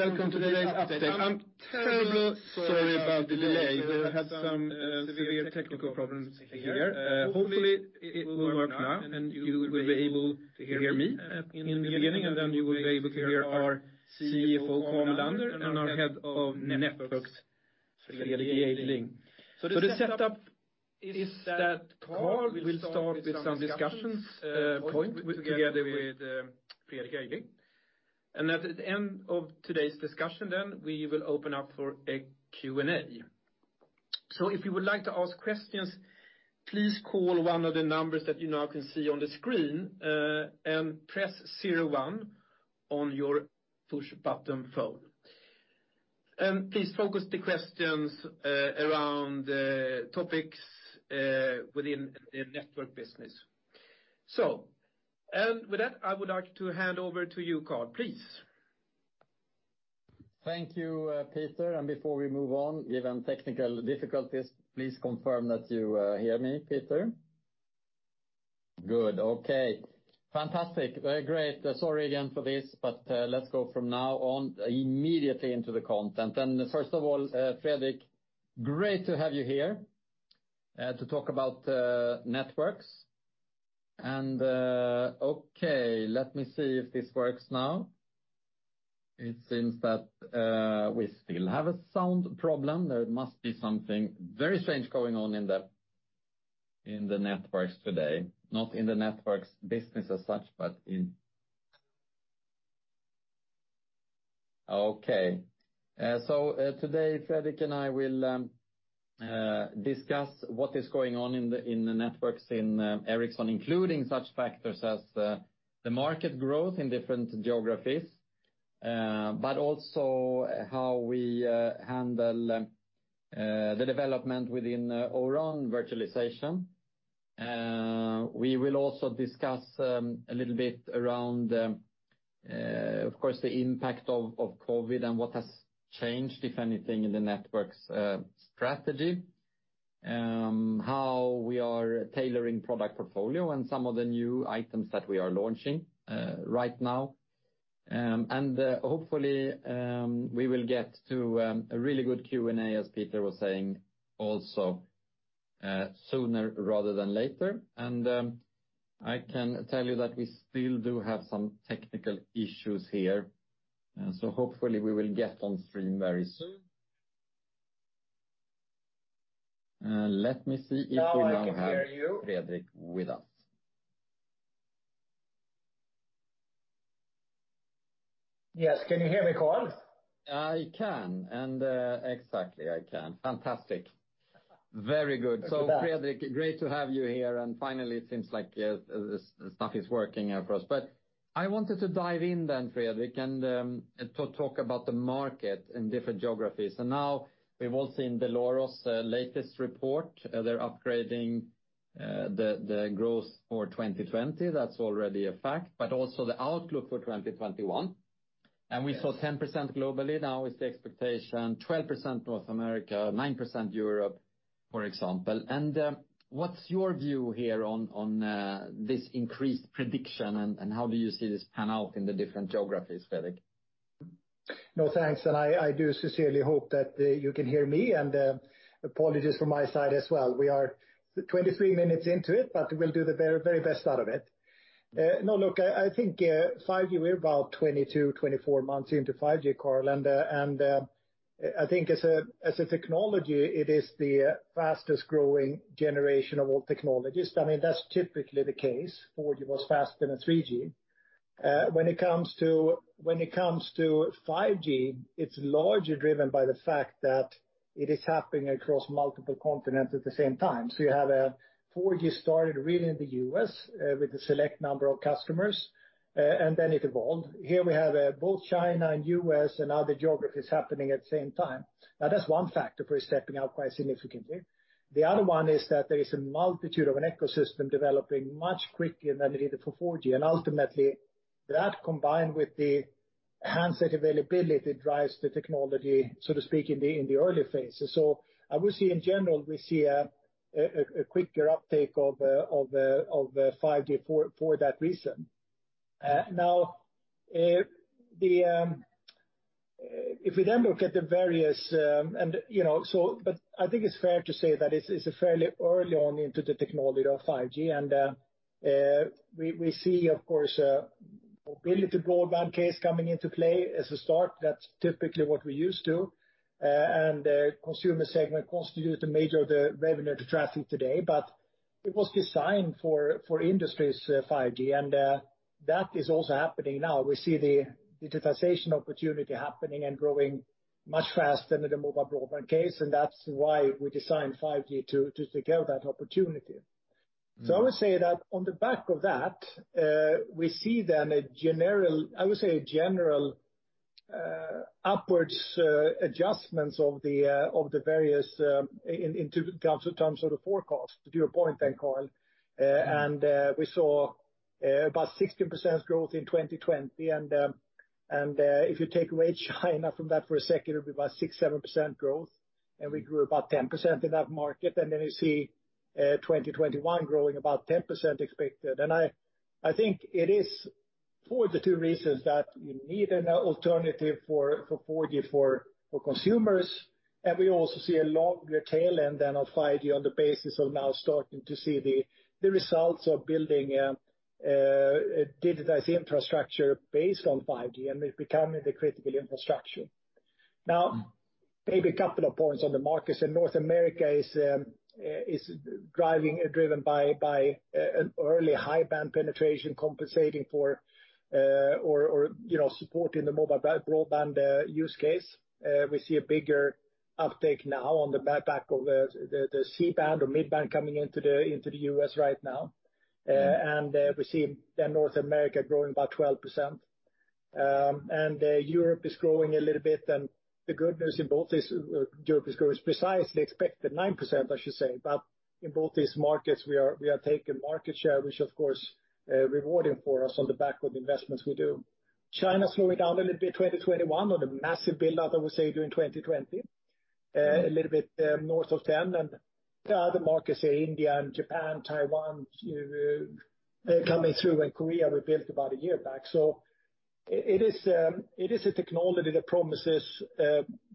Hello everyone, welcome to today's update. I'm terribly sorry about the delay. We had some severe technical problems here. Hopefully, it will work now, and you will be able to hear me in the beginning, and then you will be able to hear our CFO, Carl Mellander, and our Head of Networks, Fredrik Jejdling. The setup is that Carl will start with some discussion points together with Fredrik Jejdling. At the end of today's discussion, then we will open up for a Q&A. If you would like to ask questions, please call one of the numbers that you now can see on the screen, and press zero-one on your push-button phone. Please focus the questions around topics within the network business. With that, I would like to hand over to you, Carl, please. Thank you, Peter. Before we move on, given technical difficulties, please confirm that you hear me, Peter. Good. Okay. Fantastic. Great. Sorry again for this, let's go from now on immediately into the content. First of all, Fredrik, great to have you here to talk about networks. Okay, let me see if this works now. It seems that we still have a sound problem. There must be something very strange going on in the networks today. Not in the networks business as such. Okay. Today, Fredrik and I will discuss what is going on in the networks in Ericsson, including such factors as the market growth in different geographies, but also how we handle the development within ORAN virtualization. We will also discuss a little bit around, of course, the impact of COVID and what has changed, if anything, in the networks strategy, how we are tailoring product portfolio and some of the new items that we are launching right now. Hopefully, we will get to a really good Q&A, as Peter was saying, also, sooner rather than later. I can tell you that we still do have some technical issues here. Hopefully, we will get on stream very soon. Let me see if we now have Fredrik with us. Yes. Can you hear me, Carl? I can. Exactly, I can. Fantastic. Very good. It's better. Fredrik, great to have you here. Finally, it seems like this stuff is working for us. I wanted to dive in then, Fredrik, and talk about the market in different geographies. Now we've all seen the Dell'Oro's latest report. They're upgrading the growth for 2020. That's already a fact, but also the outlook for 2021. We saw 10% globally. Now it's the expectation, 12% North America, 9% Europe, for example. What's your view here on this increased prediction, and how do you see this pan out in the different geographies, Fredrik? No, thanks. I do sincerely hope that you can hear me, and apologies from my side as well. We are 23 minutes into it, but we'll do the very best out of it. Look, I think 5G, we're about 22, 24 months into 5G, Carl. I think as a technology, it is the fastest-growing generation of all technologies. That's typically the case. 4G was faster than 3G. When it comes to 5G, it's largely driven by the fact that it is happening across multiple continents at the same time. You have 4G started really in the U.S. with a select number of customers, and then it evolved. Here we have both China and U.S. and other geographies happening at the same time. That is one factor for stepping out quite significantly. The other one is that there is a multitude of an ecosystem developing much quicker than it did for 4G. Ultimately, that combined with the handset availability drives the technology, so to speak, in the early phases. Obviously, in general, we see a quicker uptake of 5G for that reason. Now, if we then look at the various, I think it's fair to say that it's fairly early on into the technology of 5G, and we see, of course, a mobility broadband case coming into play as a start. That's typically what we're used to. The consumer segment constitutes a major revenue to traffic today, but it was designed for industries, 5G, and that is also happening now. We see the digitization opportunity happening and growing much faster than the mobile broadband case, and that's why we designed 5G to take care of that opportunity. I would say that on the back of that, we see then, I would say, general upwards adjustments of the various in terms of the forecast, to your point then, Carl. We saw about 16% growth in 2020. If you take away China from that for a second, it'll be about 6%, 7% growth, and we grew about 10% in that market. Then you see 2021 growing about 10% expected. I think it is for the two reasons that you need an alternative for 4G for consumers, and we also see a long tail end then of 5G on the basis of now starting to see the results of building a digitized infrastructure based on 5G, and it becoming the critical infrastructure. Maybe a couple of points on the markets in North America is driven by an early high-band penetration compensating for or supporting the mobile broadband use case. We see a bigger uptake now on the back of the C-band or mid-band coming into the U.S. right now. We see North America growing about 12%. Europe is growing a little bit, and the good news in both these geographies, precisely expected 9%, I should say. In both these markets, we are taking market share, which of course, rewarding for us on the back of investments we do. China slowing down a little bit 2021 on the massive buildup that we see during 2020, a little bit north of 10. The other markets, India and Japan, Taiwan, coming through, and Korea we built about a year back. It is a technology that promises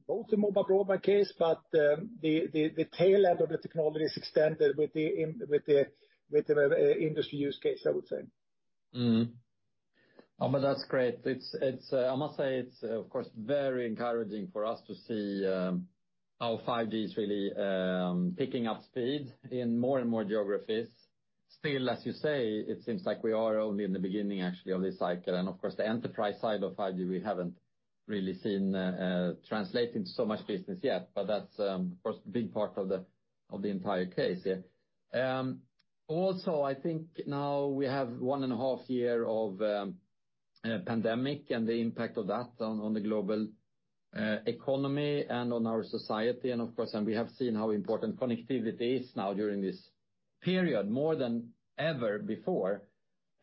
both the mobile broadband case, but the tail end of the technology is extended with the industry use case, I would say. Mm-hmm. That's great. I must say it's, of course, very encouraging for us to see how 5G is really picking up speed in more and more geographies. Still, as you say, it seems like we are only in the beginning actually of this cycle. Of course, the enterprise side of 5G we haven't really seen translating to so much business yet, but that's of course a big part of the entire case, yeah. Also, I think now we have one and a half year of pandemic and the impact of that on the global economy and on our society. Of course, we have seen how important connectivity is now during this period, more than ever before.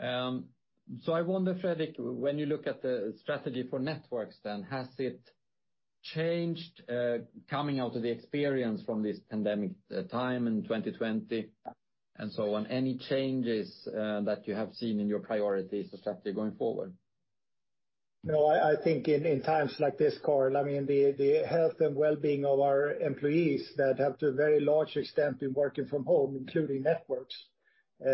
I wonder, Fredrik, when you look at the strategy for networks then, has it changed, coming out of the experience from this pandemic time in 2020 and so on? Any changes that you have seen in your priorities or strategy going forward? No, I think in times like this, Carl, the health, and well-being of our employees that have to a very large extent been working from home, including Networks. We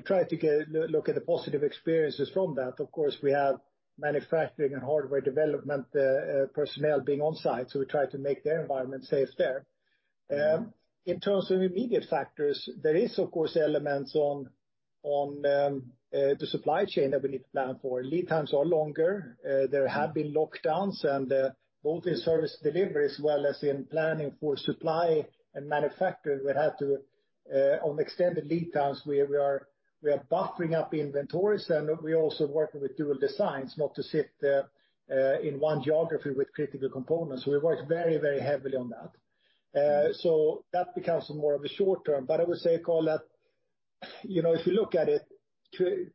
try to look at the positive experiences from that. Of course, we have manufacturing and hardware development personnel being on site, so we try to make their environment safe there. In terms of immediate factors, there is of course elements on the supply chain that we need to plan for. Lead times are longer. There have been lockdowns and both in service delivery as well as in planning for supply and manufacturing, we have to on extended lead times, we are buffering up inventories and we are also working with dual designs, not to sit in one geography with critical components. We work very heavily on that. That becomes more of a short term. I would say, Carl, that if you look at it,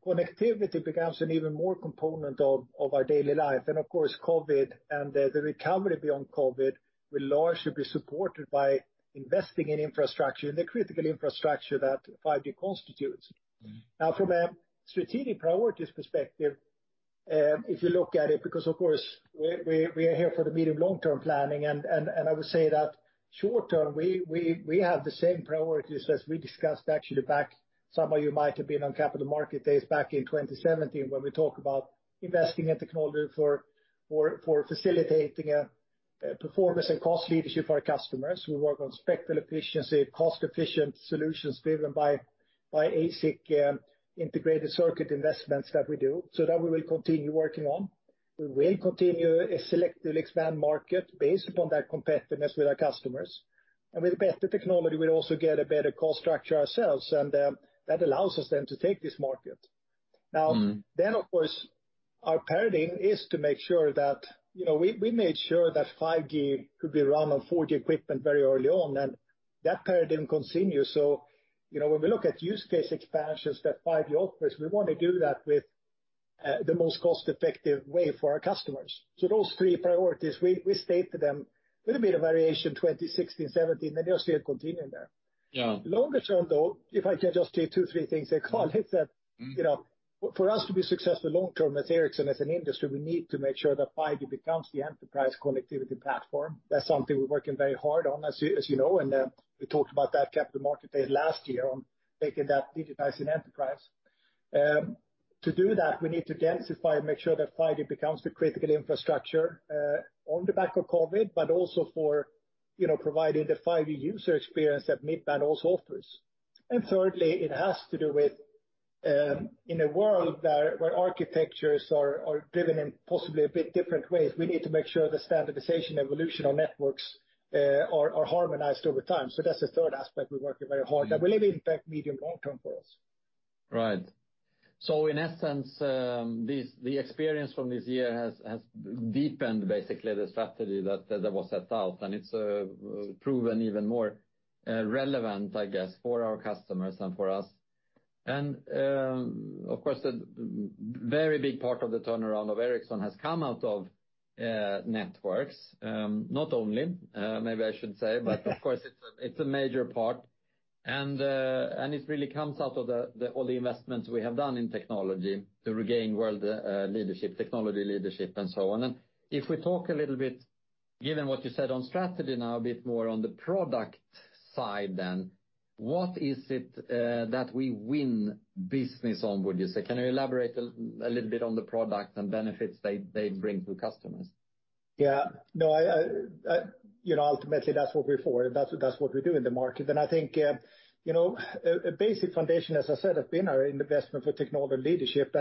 connectivity becomes an even more component of our daily life. Of course, COVID and the recovery beyond COVID will largely be supported by investing in infrastructure and the critical infrastructure that 5G constitutes. Now, from a strategic priorities perspective, if you look at it, because of course, we are here for the medium, long-term planning. I would say that short term, we have the same priorities as we discussed actually back, some of you might have been on Capital Markets Day back in 2017, where we talked about investing in technology for facilitating performance and cost leadership for our customers. We work on spectral efficiency, cost-efficient solutions driven by ASIC integrated circuit investments that we do. That we will continue working on. We will continue to selectively expand market based upon that competitiveness with our customers. With better technology, we'll also get a better cost structure ourselves, and that allows us then to take this market. Of course, our paradigm is to make sure that 5G could be run on 4G equipment very early on, and that paradigm continues. When we look at use case expansions that 5G offers, we want to do that with the most cost-effective way for our customers. Those three priorities, we stated them, little bit of variation 2016, 2017, and just we are continuing there. Yeah. Longer term, though, if I can just say two, three things, Carl, is that for us to be successful long term at Ericsson as an industry, we need to make sure that 5G becomes the enterprise connectivity platform. That's something we're working very hard on, as you know, and we talked about that at Capital Market Day last year on making that digitizing enterprise. To do that, we need to densify and make sure that 5G becomes the critical infrastructure on the back of COVID, but also for providing the 5G user experience that mid-band also offers. Thirdly, it has to do with in a world where architectures are driven in possibly a bit different ways, we need to make sure the standardization evolution of networks are harmonized over time. That's the third aspect we're working very hard on that will impact medium, long term for us. Right. In essence, the experience from this year has deepened basically the strategy that was set out, and it's proven even more relevant, I guess, for our customers and for us. Of course, a very big part of the turnaround of Ericsson has come out of networks. Not only, maybe I should say, but of course, it's a major part, and it really comes out of all the investments we have done in technology to regain world leadership, technology leadership, and so on. If we talk a little bit, given what you said on strategy now, a bit more on the product side, what is it that we win business on, would you say? Can you elaborate a little bit on the products and benefits they bring to customers? Yeah. Ultimately, that's what we're for. That's what we do in the market. I think, a basic foundation, as I said, has been our investment for technology leadership.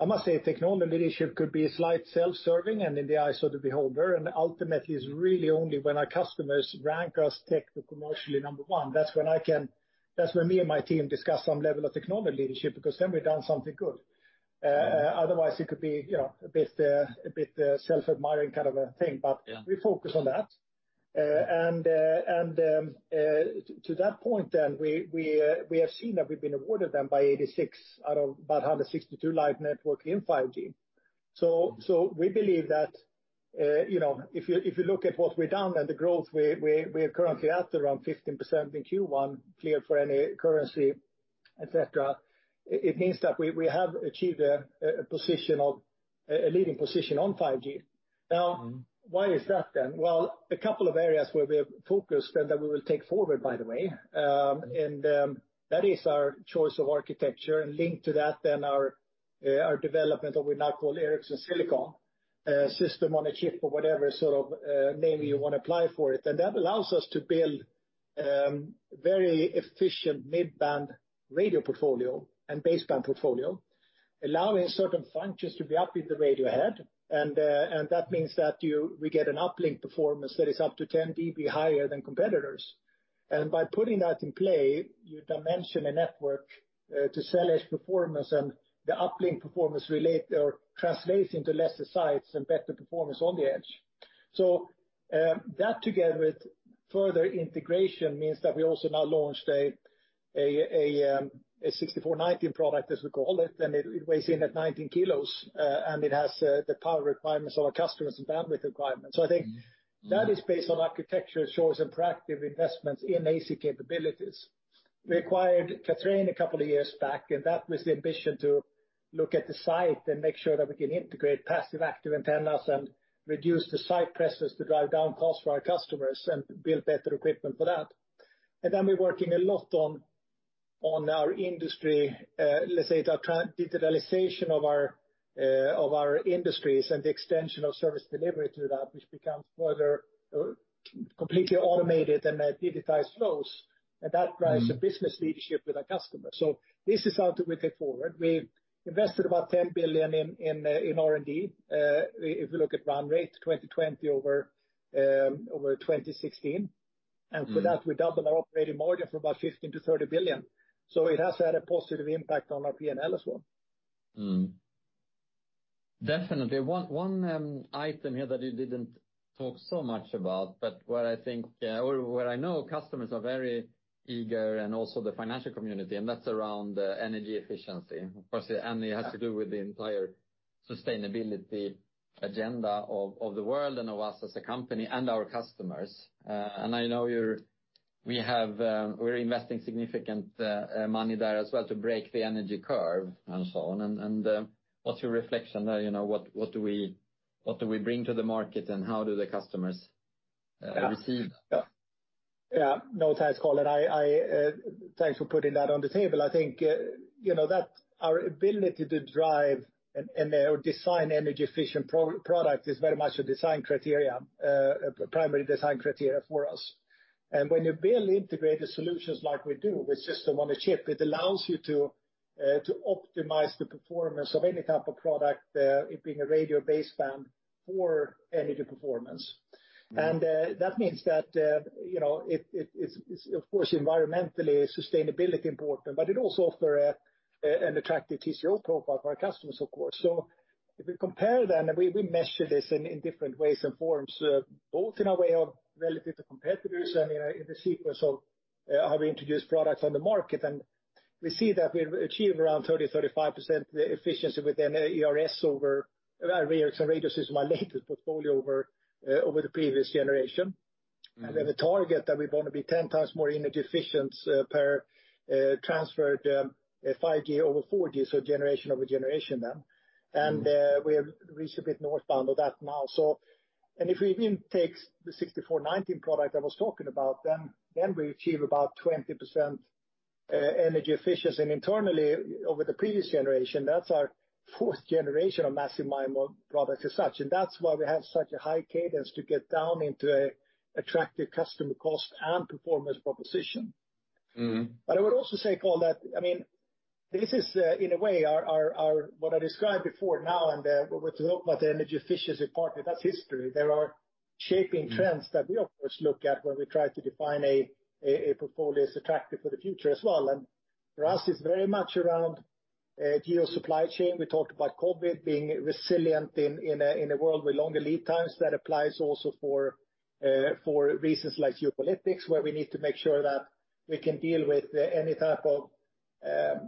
I must say technology leadership could be slight self-serving and in the eyes of the beholder, and ultimately it's really only when our customers rank us techno-commercially number one, that's when me and my team discuss some level of technology leadership, because then we've done something good. Otherwise, it could be a bit self-admiring kind of a thing. We focus on that. To that point, then we have seen that we've been awarded then by 86 out of about 162 live network in 5G. We believe that, if you look at what we've done and the growth, we are currently at around 15% in Q1, clear for any currency, et cetera. It means that we have achieved a leading position on 5G. Why is that? A couple of areas where we have focused and that we will take forward, by the way, that is our choice of architecture and linked to that our development of what we now call Ericsson Silicon, system on a chip or whatever sort of name you want to apply for it. That allows us to build very efficient mid-band radio portfolio and baseband portfolio, allowing certain functions to be up in the radio head. That means that we get an uplink performance that is up to 10 dB higher than competitors. By putting that in play, you dimension a network to sell edge performance and the uplink performance translates into lesser sites and better performance on the edge. That together with further integration means that we also now launched a 6490 product, as we call it, and it weighs in at 90 kilos, and it has the power requirements of our customers and bandwidth requirements. I think that is based on architecture choice and proactive investments in ASIC capabilities, required then a couple of years back, and that was the ambition to look at the site and make sure that we can integrate passive active antennas and reduce the site presence to drive down cost for our customers and build better equipment for that. We're working a lot on our industry, let's say digitalization of our industries and the extension of service delivery to that, which becomes further completely automated and digitized flows. That drives the business leadership with our customer. This is how do we take forward. We've invested about 10 billion in R&D. If you look at run rate 2020 over 2016, for that, we doubled our operating margin from about 15 billion-30 billion. It has had a positive impact on our P&L as well. Definitely. One item here that you didn't talk so much about, but where I know customers are very eager and also the financial community, and that's around energy efficiency. Of course, it has to do with the entire sustainability agenda of the world and of us as a company and our customers. I know we're investing significant money there as well to break the energy curve and so on. What's your reflection there? What do we bring to the market, and how do the customers perceive? Yeah. Thanks, Carl. Thanks for putting that on the table. When you build integrated solutions like we do with system on a chip, it allows you to optimize the performance of any type of product, it being a radio baseband for energy performance. That means that it's of course environmentally sustainability important, but it also offer an attractive TCO profile for our customers, of course. If we compare then, we measure this in different ways and forms, both in a way of relative to competitors and in the sequence of how we introduce products on the market. We see that we've achieved around 30, 35% efficiency within ERS Ericsson Radio System on a chip portfolio over the previous generation. The target that we want to be 10 times more energy efficient per transferred 5G over 4G, so generation over generation then. We have reached a bit north bound of that now. If we then take the 6490 product I was talking about, then we achieve about 20% energy efficiency internally over the previous generation. That's our fourth generation of Massive MIMO product as such. That's why we have such a high cadence to get down into attractive customer cost and performance proposition. I would also say, Carl, that this is in a way what I described before now and what we talk about the energy efficiency part, that's history. There are shaping trends that we always look at when we try to define a portfolio as attractive for the future as well. For us, it's very much around geo supply chain. We talked about COVID being resilient in a world with longer lead times. That applies also for reasons like geopolitics, where we need to make sure that we can deal with any type of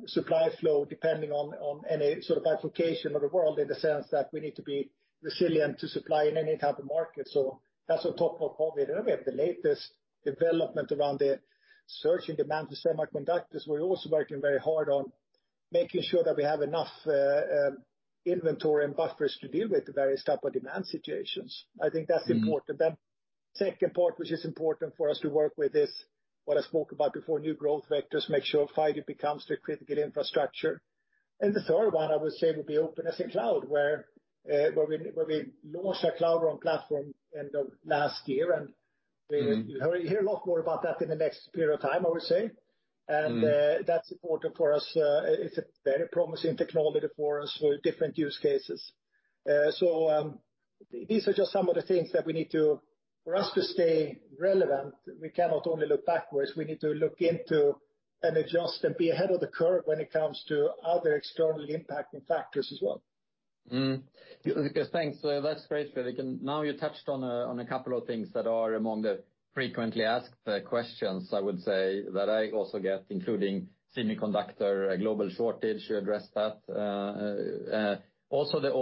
supply flow, depending on any sort of application of the world, in the sense that we need to be resilient to supply in any type of market. That's on top of COVID. We have the latest development around the surge in demand for semiconductors. We're also working very hard on making sure that we have enough inventory and buffers to deal with the various type of demand situations. I think that's important. Second part, which is important for us to work with, is what I spoke about before, new growth vectors, make sure 5G becomes the critical infrastructure. The third one, I would say, would be openness in cloud, where we launched our Cloud RAN platform end of last year, and we'll hear a lot more about that in the next period of time, I would say. That's important for us. It's a very promising technology for us for different use cases. These are just some of the things that for us to stay relevant, we cannot only look backwards, we need to look into and adjust and be ahead of the curve when it comes to other external impacting factors as well. Thanks. That's great. Now you touched on a couple of things that are among the frequently asked questions, I would say, that I also get, including semiconductor global shortage, you addressed that. Also the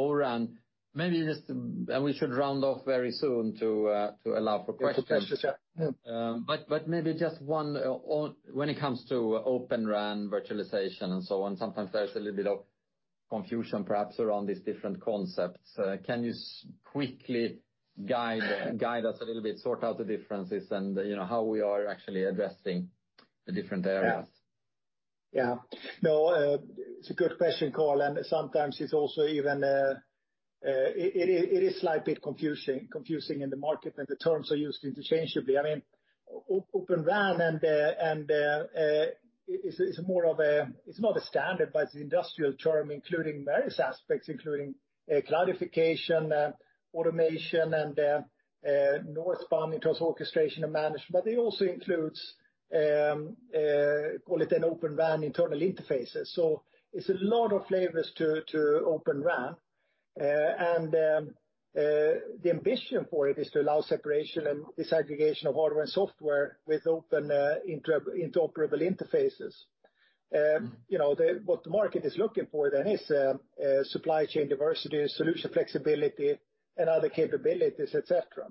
O-RAN. We should round off very soon to allow for questions. Maybe just one, when it comes to Open RAN virtualization and so on, sometimes there's a little bit of confusion perhaps around these different concepts. Can you quickly guide us a little bit, sort out the differences and how we are actually addressing the different areas? Yeah. No, it's a good question, Carl. Sometimes it is slightly confusing in the market and the terms are used interchangeably. Open RAN, it's not a standard, it's an industrial term, including various aspects, including cloudification, automation, and northbound in terms of orchestration and management. It also includes, call it an Open RAN internal interfaces. It's a lot of flavors to Open RAN. The ambition for it is to allow separation and disaggregation of hardware and software with open interoperable interfaces. What the market is looking for is supply chain diversity, solution flexibility and other capabilities, et cetera.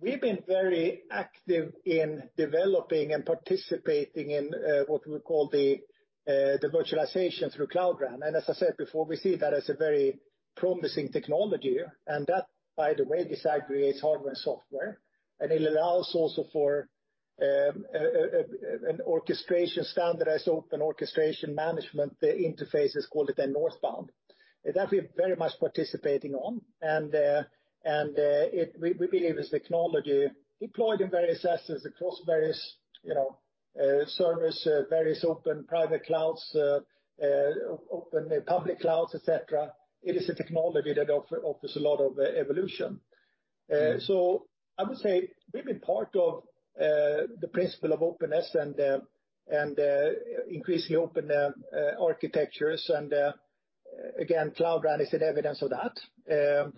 We've been very active in developing and participating in what we call the virtualization through Cloud RAN. As I said before, we see that as a very promising technology. That, by the way, disaggregates hardware and software, and it allows also for an orchestration standardized, open orchestration management interfaces, call it a northbound, that we're very much participating on. We believe this technology deployed in various assets across various servers, various open private clouds, open public clouds, et cetera. It is a technology that offers a lot of evolution. I would say we've been part of the principle of openness and increasingly open architectures. Again, Cloud RAN is an evidence of that.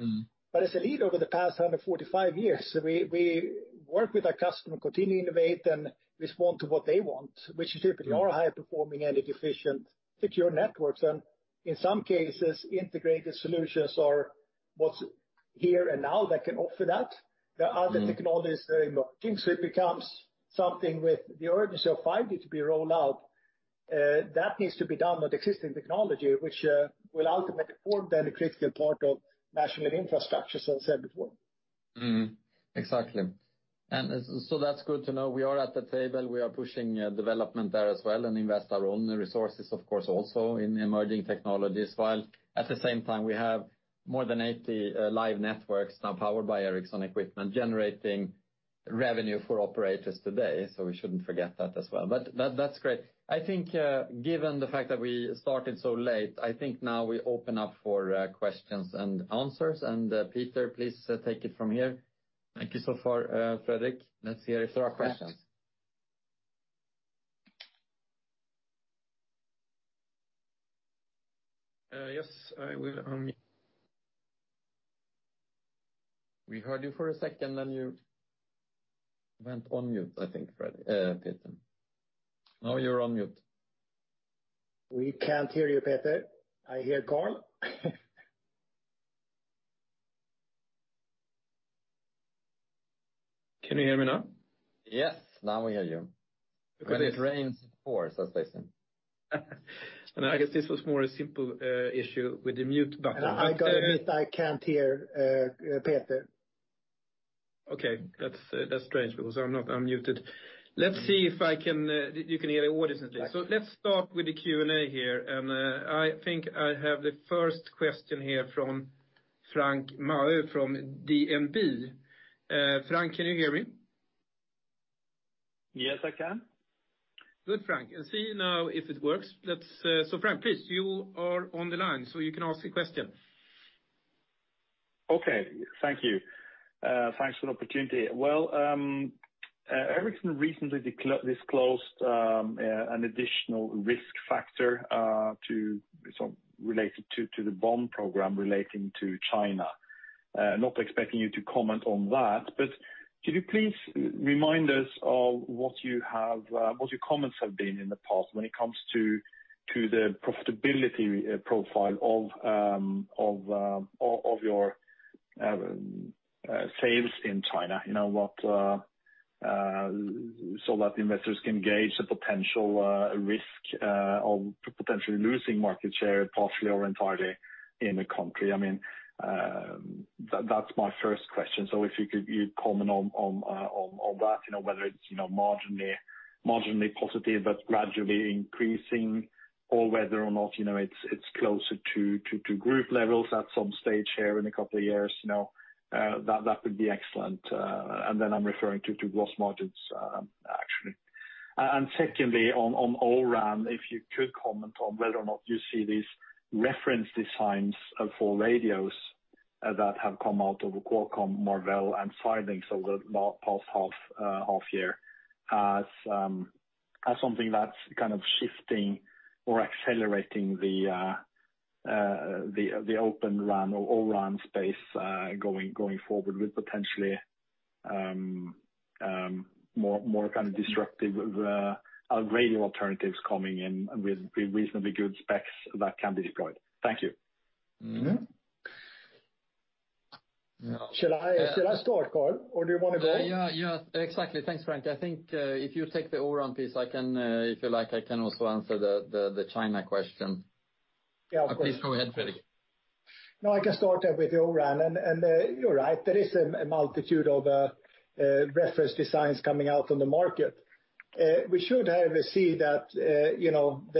As a leader over the past 145 years, we work with our customer, continue to innovate and respond to what they want, which is typically our high performing, energy efficient, secure networks. In some cases, integrated solutions are what's here and now that can offer that. There are other technologies very emerging. It becomes something with the urgency of 5G to be rolled out. That needs to be done with existing technology, which will ultimately form the critical part of national infrastructure, as I said before. Exactly. That's good to know. We are at the table. We are pushing development there as well and invest our own resources, of course, also in emerging technologies. While at the same time, we have more than 80 live networks now powered by Ericsson equipment, generating revenue for operators today. We shouldn't forget that as well. That's great. I think given the fact that we started so late, I think now we open up for questions and answers. Peter, please take it from here. Thank you so far, Fredrik. Let's hear if there are questions. Yes, I will unmute. We heard you for a second, then you went on mute, I think, Peter. Now you're on mute. We can't hear you, Peter. I hear Carl. Can you hear me now? Yes, now we hear you. It rains, of course, I was saying. No, I guess this was more a simple issue with the mute button. I've got to admit, I can't hear Peter. Okay, that's strange because I'm not unmuted. Let's see if you can hear all of us then. Let's start with the Q&A here. I think I have the first question here from Frank Maao from DNB. Frank, can you hear me? Yes, I can. Good, Frank. See now if it works. Frank, please, you are on the line, so you can ask your question. Okay. Thank you. Thanks for the opportunity. Well, Ericsson recently disclosed an additional risk factor related to the bond program relating to China. Not expecting you to comment on that, could you please remind us of what your comments have been in the past when it comes to the profitability profile of your sales in China? That investors can gauge the potential risk of potentially losing market share partially or entirely in the country. That's my first question. If you could comment on that, whether it's marginally positive but gradually increasing or whether or not it's closer to group levels at some stage here in a couple of years, that would be excellent. I'm referring to gross margins, actually. Secondly, on O-RAN, if you could comment on whether or not you see these reference designs for radios that have come out of the Qualcomm model and filings over the past half year as something that's shifting or accelerating the Open RAN or O-RAN space going forward with potentially more disruptive radio alternatives coming in with reasonably good specs that can be deployed. Thank you. Should I start, Carl? Do you want to go? Exactly. Thanks, Frank. I think if you take the O-RAN piece, if you like, I can also answer the China question. Yeah. Please go ahead, Fredrik. I can start with O-RAN. You're right, there is a multitude of reference designs coming out on the market. We should, however, see that there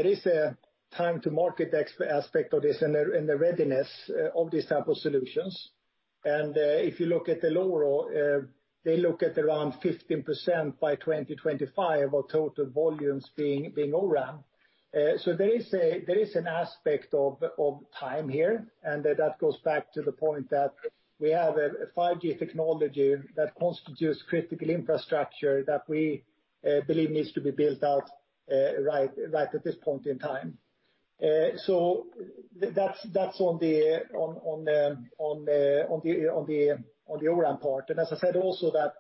is a time to market aspect of this and the readiness of these types of solutions. If you look at the lower, they look at around 15% by 2025 of total volumes being O-RAN. There is an aspect of time here, and that goes back to the point that we have a 5G technology that constitutes critical infrastructure that we believe needs to be built outright at this point in time. That's on the O-RAN part. As I said, also that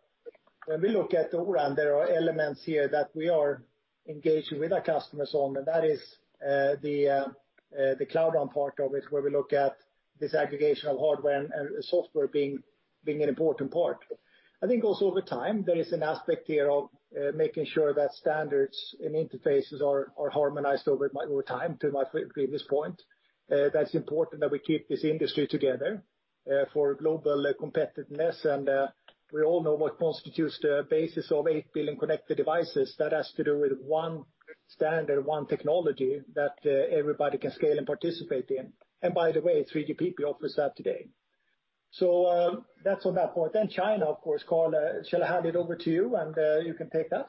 when we look at O-RAN, there are elements here that we are engaging with our customers on, and that is the Cloud RAN part of it, where we look at disaggregation of hardware and software being an important part. I think also over time, there is an aspect here of making sure that standards and interfaces are harmonized over time, to my previous point. That's important that we keep this industry together for global competitiveness. We all know what constitutes the basis of 8 billion connected devices. That has to do with one standard, one technology that everybody can scale and participate in. By the way, 3GPP offers that today. That's on that point. China, of course, Carl, shall I hand it over to you and you can take that?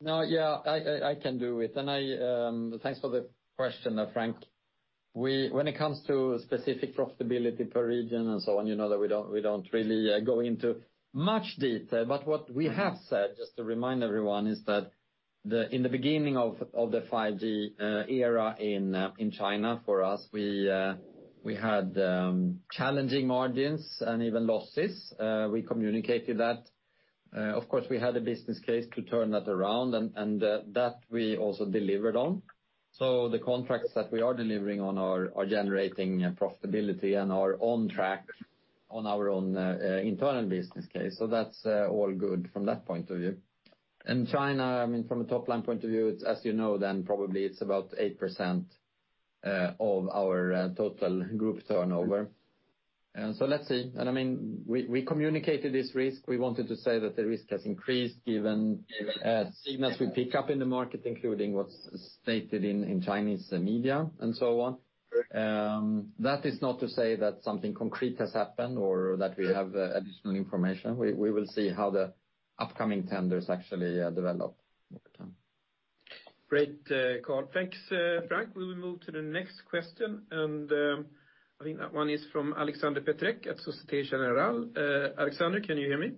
Yeah, I can do it. And thanks for the question, Frank. When it comes to specific profitability per region and so on, you know that we don't really go into much detail. What we have said, just to remind everyone, is that in the beginning of the 5G era in China, for us, we had challenging margins and even losses. We communicated that. Of course, we had a business case to turn that around, and that we also delivered on. The contracts that we are delivering on are generating profitability and are on track on our own internal business case. That's all good from that point of view. China, from a top-line point of view, as you know then probably it's about 8% of our total group turnover. Let's see. We communicated this risk. We wanted to say that the risk has increased given signals we pick up in the market, including what's stated in Chinese media and so on. That is not to say that something concrete has happened or that we have additional information. We will see how the upcoming tenders actually develop over time. Great, Carl. Thanks, Frank. We will move to the next question, and I think that one is from Alexandre Peterc at Société Générale. Alexandre, can you hear me?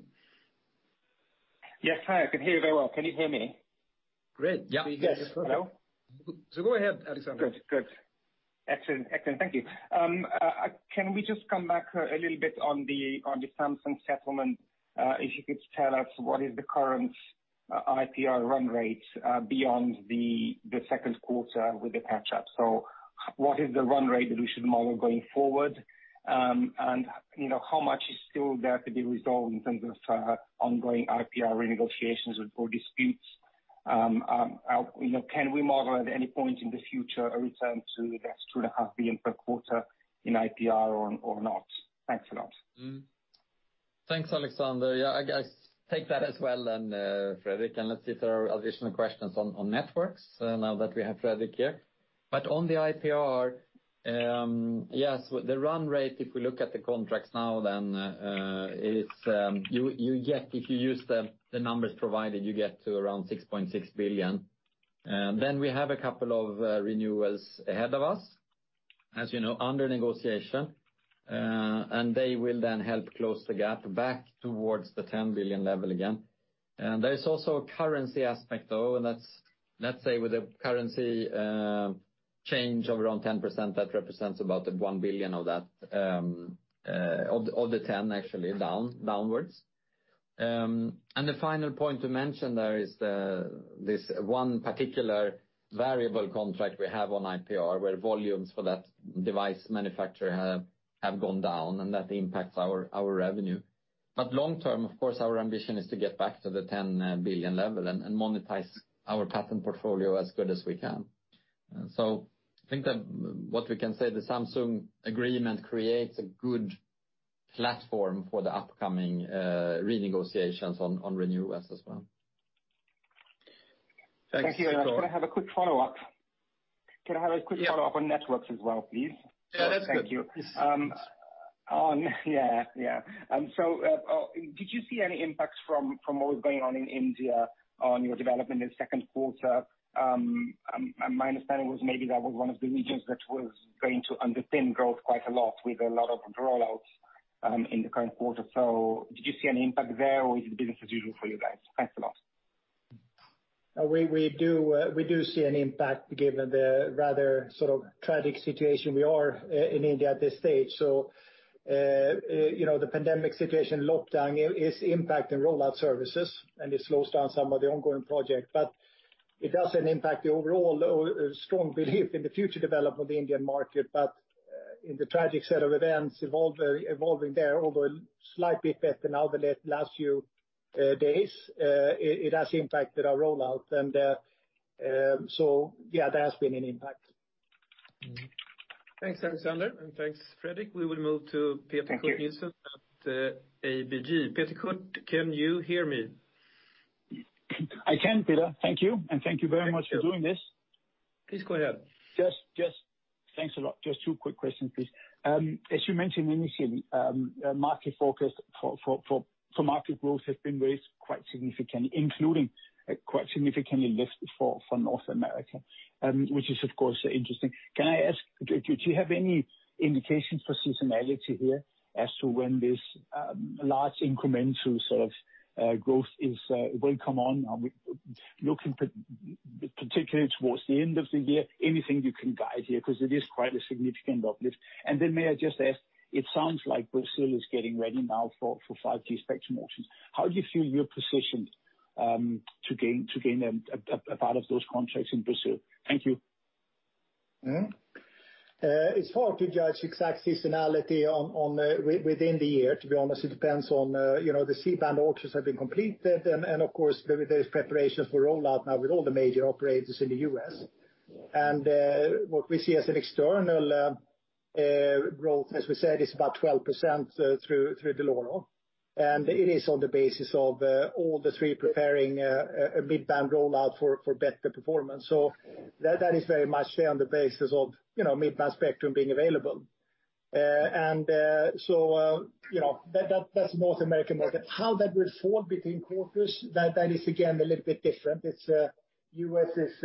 Yes, I can hear you well. Can you hear me? Great. Yes. Go ahead, Alexandre. Good. Excellent. Thank you. Can we just come back a little bit on the Samsung settlement? If you could tell us what is the current IPR run rate beyond the second quarter with the catch-up? What is the run rate that we should model going forward? How much is still there to be resolved in terms of ongoing IPR negotiations or disputes? Can we model at any point in the future a return to the 2.5 billion per quarter in IPR or not? Thanks a lot. Thanks, Alexandre. I guess take that as well then, Fredrik, and let's see if there are additional questions on networks now that we have Fredrik here. On the IPR, yes, the run rate, if we look at the contracts now, if you use the numbers provided, you get to around 6.6 billion. We have a couple of renewals ahead of us, as you know, under negotiation. They will then help close the gap back towards the 10 billion level again. There's also a currency aspect, though, and let's say with a currency change of around 10%, that represents about 1 billion of the 10 billion actually downwards. The final point to mention there is this one particular variable contract we have on IPR, where volumes for that device manufacturer have gone down, and that impacts our revenue. Long term, of course, our ambition is to get back to the 10 billion level and monetize our patent portfolio as good as we can. I think that what we can say, the Samsung agreement creates a good platform for the upcoming renegotiations on renewals as well. Thank you. Can I have a quick follow-up? Can I have a quick follow-up on networks as well, please? Yeah, that's good. Yeah. Did you see any impacts from what was going on in India on your development in the second quarter? My understanding was maybe that was one of the regions that was going to underpin growth quite a lot with a lot of rollouts in the current quarter. Did you see any impact there, or is the business as usual for you guys? Thanks a lot. We do see an impact given the rather tragic situation we are in India at this stage. The pandemic situation lockdown is impacting rollout services, and it slows down some of the ongoing project. It doesn't impact the overall strong belief in the future development of the Indian market. In the tragic set of events evolving there, although slightly better now than the last few days, it has impacted our rollout. Yeah, there has been an impact. Thanks, Alexandre, and thanks, Fredrik. We will move to Peter Kurt Nielsen at ABG. Peter Kurt, can you hear me? I can, Peter. Thank you. Thank you very much for doing this. Please go ahead. Thanks a lot. Just two quick questions, please. As you mentioned initially, market forecast for market growth has been raised quite significantly, including quite significantly lifted for North America, which is of course interesting. Can I ask, do you have any indications for seasonality here as to when this large incremental growth will come on? Looking particularly towards the end of the year, anything you can guide here, because it is quite a significant uplift. May I just ask, it sounds like Brazil is getting ready now for 5G spectrum auctions. How do you feel you're positioned to gain a part of those contracts in Brazil? Thank you. It's hard to judge exact seasonality within the year, to be honest. It depends on the C-band auctions have been completed, and of course, there's preparations for rollout now with all the major operators in the U.S. What we see as an external growth, as we said, is about 12% through Dell'Oro. It is on the basis of all the three preparing a mid-band rollout for better performance. That is very much on the basis of mid-band spectrum being available. That's the North American market. How that will fall between quarters, that is again a little bit different. U.S. is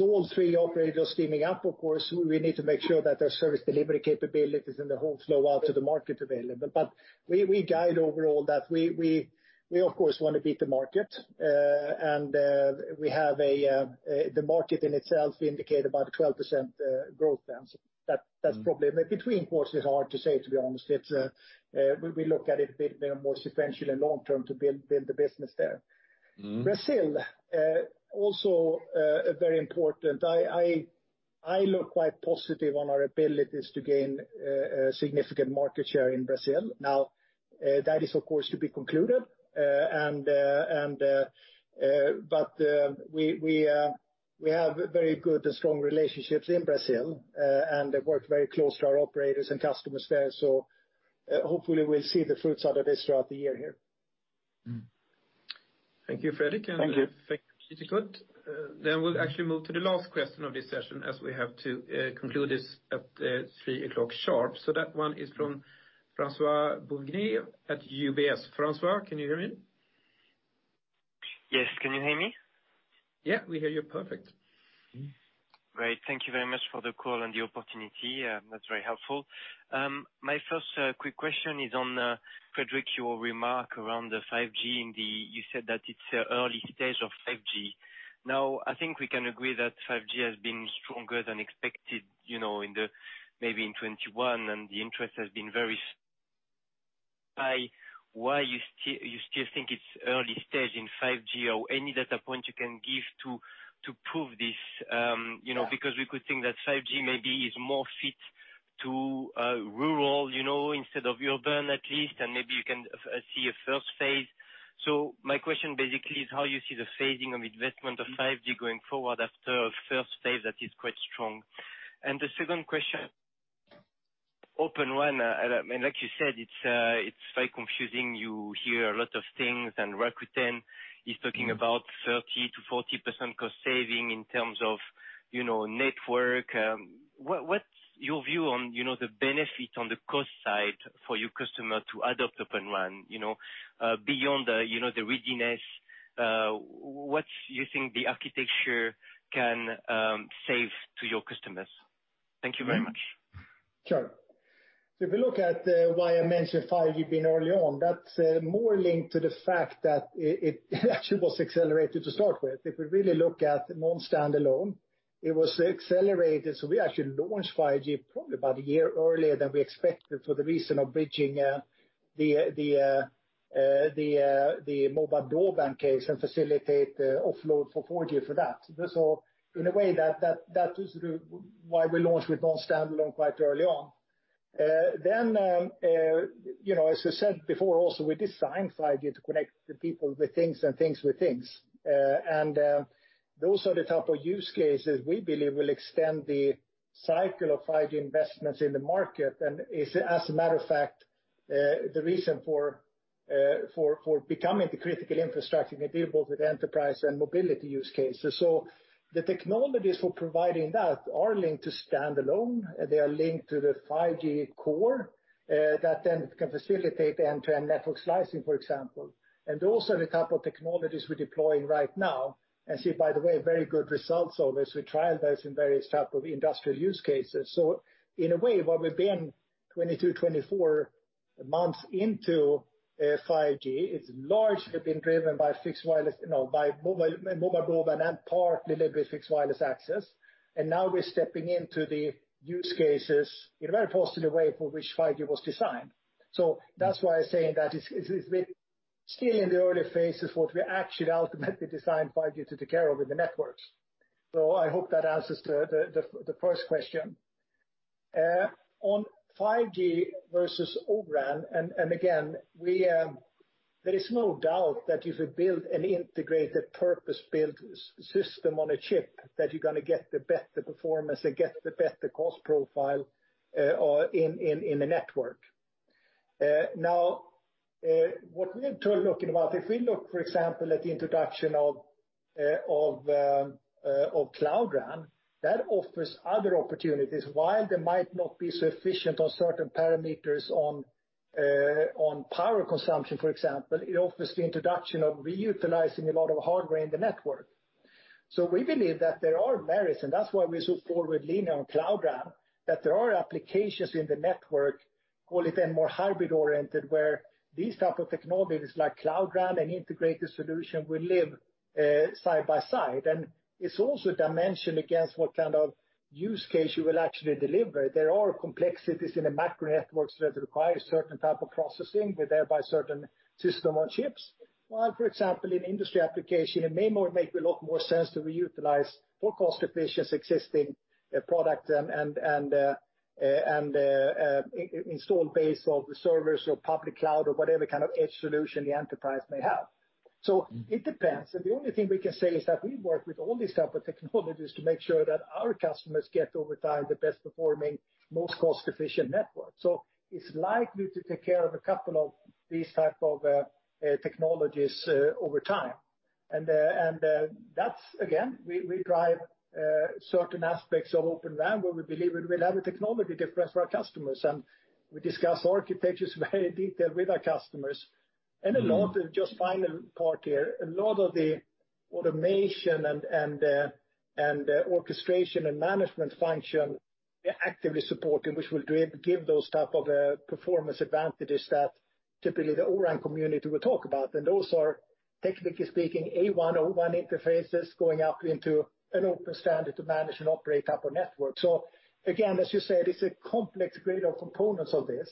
all three operators teaming up, of course, we need to make sure that their service delivery capabilities and the whole flow out to the market available. We guide overall that we of course want to beat the market, and the market in itself indicate about 12% growth then. That's the problem. Between quarters, it's hard to say, to be honest. We look at it a bit more substantially long term to build the business there. Brazil, also very important. I look quite positive on our abilities to gain a significant market share in Brazil. That is, of course, to be concluded. We have very good and strong relationships in Brazil and work very close to our operators and customers there. Hopefully we'll see the fruits of this throughout the year here. Thank you, Fredrik. Thank you. Thank you, Peter Kurt Nielsen. Now we'll actually move to the last question of this session as we have to conclude this at three o'clock sharp. That one is from François-Xavier Bouvignies at UBS. François, can you hear me? Yes, can you hear me? Yeah, we hear you perfect. Great. Thank you very much for the call and the opportunity. That's very helpful. My first quick question is on, Fredrik, your remark around the 5G, you said that it's the early stage of 5G. I think we can agree that 5G has been stronger than expected maybe in 2021, and the interest has been very high. Why you still think its early stage in 5G or any data point you can give to prove this? We could think that 5G maybe is more fit to rural instead of urban, at least, and maybe you can see a first phase. My question basically is how you see the saving on investment of 5G going forward after a first phase that is quite strong. The second question, Open RAN, and like you said, it's very confusing. You hear a lot of things, Rakuten is talking about 30%-40% cost saving in terms of network. What's your view on the benefit on the cost side for your customer to adopt Open RAN? Beyond the readiness, what do you think the architecture can save to your customers? Thank you very much. Sure. If we look at why I mentioned 5G being early on, that's more linked to the fact that it actually was accelerated to start with. If we really look at Non-standalone, it was accelerated, so we actually launched 5G probably about a year earlier than we expected for the reason of bridging the mobile broadband case and facilitate the offload for 4G for that. In a way that is why we launched with Non-standalone quite early on. As I said before, also we designed 5G to connect the people with things and things with things. Those are the type of use cases we believe will extend the cycle of 5G investments in the market and is, as a matter of fact, the reason for becoming the critical infrastructure available with enterprise and mobility use cases. The technologies for providing that are linked to standalone. They are linked to the 5G core that then can facilitate end-to-end network slicing, for example, and those are the type of technologies we're deploying right now and see, by the way, very good results of as we trial those in various type of industrial use cases. In a way, what we've been 22, 24 months into 5G, it's largely been driven by mobile broadband and partly with fixed wireless access. Now we're stepping into the use cases in a very positive way for which 5G was designed. That's why I'm saying that it's still in the early phases of we actually ultimately designed 5G to take care of the networks. I hope that answers the first question. On 5G versus O-RAN, again, there is no doubt that if you build an integrated purpose-built system on a chip, that you're going to get the better performance and get the better cost profile in the network. What we're looking about, if we look, for example, at the introduction of Cloud RAN, that offers other opportunities. While they might not be so efficient on certain parameters on power consumption, for example, it offers the introduction of reutilizing a lot of hardware in the network. We believe that there are merits, and that's why we so forward-leaning on Cloud RAN, that there are applications in the network, call it then more hybrid-oriented, where these type of technologies like Cloud RAN and integrated solution will live side by side. It's also a dimension against what kind of use case you will actually deliver. There are complexities in the macro networks that require certain type of processing, thereby certain system on chips. While, for example, in industry application, it may well make a lot more sense to reutilize more cost-efficient existing product and installed base of servers or public cloud or whatever kind of edge solution the enterprise may have. It depends, and the only thing we can say is that we work with all these type of technologies to make sure that our customers get over time the best performing, most cost-efficient network. It's likely to take care of a couple of these type of technologies over time. That's, again, we drive certain aspects of Open RAN where we believe we will have a technology difference for our customers. We discuss architectures in great detail with our customers. A lot of, just final part here, a lot of the automation and orchestration and management function we actively support, which will give those type of performance advantages that typically the O-RAN community will talk about. Those are, technically speaking, A1, O1 interfaces going out into an open standard to manage and operate type of network. Again, as you said, it's a complex grade of components of this.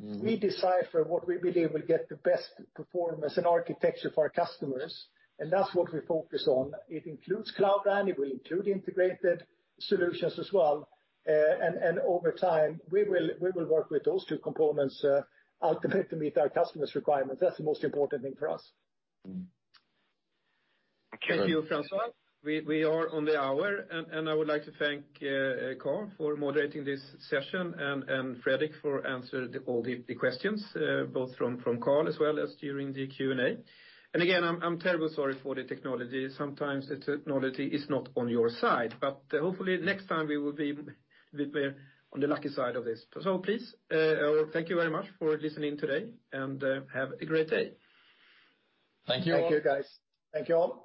We decipher what we believe will get the best performance and architecture for our customers, and that's what we focus on. It includes Cloud RAN, it will include integrated solutions as well. Over time, we will work with those two components ultimately to meet our customers' requirements. That's the most important thing for us. Thank you. Thank you, François. We are on the hour, and I would like to thank Carl for moderating this session and Fredrik for answering all the questions, both from Carl as well as during the Q&A. Again, I'm terribly sorry for the technology. Sometimes the technology is not on your side, but hopefully next time we will be on the lucky side of this. Please, thank you very much for listening today, and have a great day. Thank you. Thank you, guys. Thank you all.